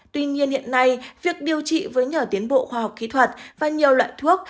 tuy nhiên hiện nay việc điều trị với nhờ tiến bộ khoa học khí thuật và nhiều loại thuốc